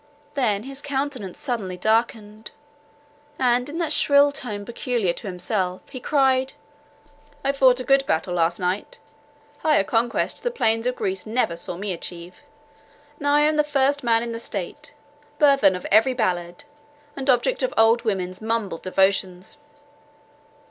Then his countenance suddenly darkened, and in that shrill tone peculiar to himself, he cried, "I fought a good battle last night; higher conquest the plains of Greece never saw me achieve. Now I am the first man in the state, burthen of every ballad, and object of old women's mumbled devotions.